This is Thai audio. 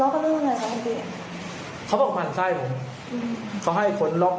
เขาลงกล่อแบบเปลี่ยวของผม